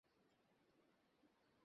কিন্তু না বললে কি আনতে নেই?